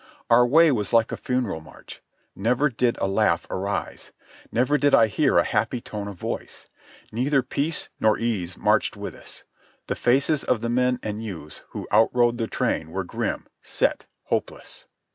Our way was like a funeral march. Never did a laugh arise. Never did I hear a happy tone of voice. Neither peace nor ease marched with us. The faces of the men and youths who outrode the train were grim, set, hopeless.